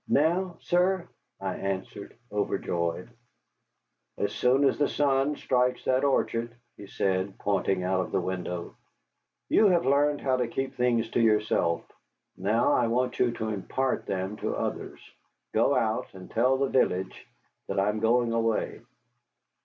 "Now, sir?" I answered, overjoyed. "As soon as the sun strikes that orchard," he said, pointing out of the window. "You have learned how to keep things to yourself. Now I want you to impart them to others. Go out, and tell the village that I am going away."